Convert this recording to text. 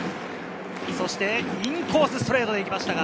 そしてインコース、ストレートで行きましたが。